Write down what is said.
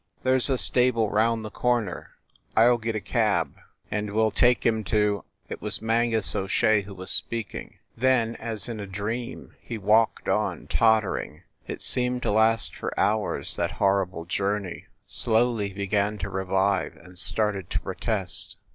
"There s a stable round the corner. I ll get a cab, THE LIARS CLUB 51 and we ll take him to ..." It was Mangus O Shea who was speaking. Then, as in a dream, he walked on, tottering. It seemed to last for hours, that horrible journey. Slowly he began to revive, and started to protest.